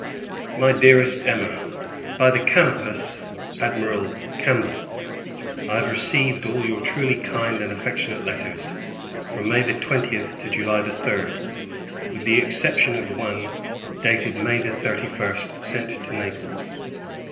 MY DEAREST EMMA, By the Canopus, Admiral Campbell, I have received all your truly kind and affectionate letters, from May 20th to July 3d; with the exception of one, dated May 31st, sent to Naples.